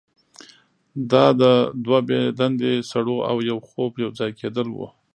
دا د دوه بې دندې سړو او یو خوب یوځای کیدل وو